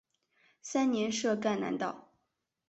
三年设赣南道。